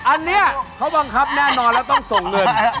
อันนี้เขาบังคับแน่นอนแล้วต้องส่งเงิน